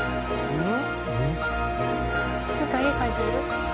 うん？